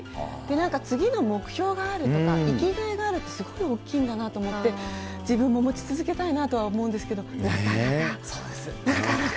なんか次の目標があるとか、生きがいがあるって、すごい大きいんだなと思って、自分も持ち続けたいなとは思うんですけど、なかなか、なかなか。